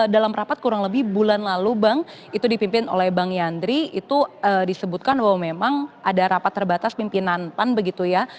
dalam rapat kurang lebih bulan lalu bang itu dipimpin oleh bang yandri itu disebutkan bahwa memang ada rapat terbatas pimpinan pan begitu ya